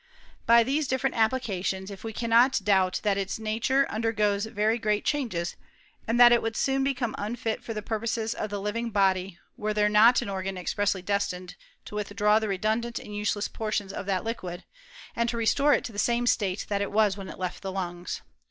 By ihese different apph cations of it we cannot doubt that its nature un dergoes very great changes, and that it would soon become unfit for the purposes of ihe living body were there not an organ expressly destined to with draw the redundant and useless portions of that liquid, and to restore it to the same state that it was in when it left the lungs.